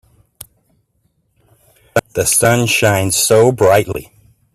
The sun shines so brightly.